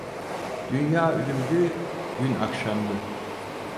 Dünya ölümlü, gün akşamlı.